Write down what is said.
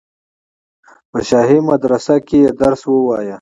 په شاهي مدرسه کې یې درس ووایه.